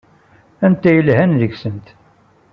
Anta ay yelhan deg-sent?